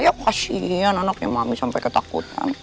ya pastinya anaknya mami sampai ketakutan